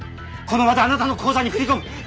この場であなたの口座に振り込む。